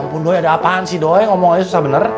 walaupun ada apaan sih doi ngomongannya susah bener